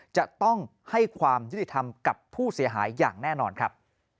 จะต้องให้ความยุติธรรมกับผู้เสียหายอย่างแน่นอนครับ